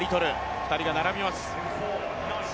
２人が並びます。